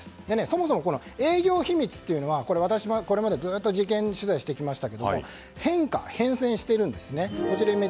そもそも、営業秘密というのは私もこれまでずっと事件取材をしてきましたが変化・変遷しているんですね。